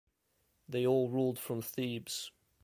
They all ruled from Thebes.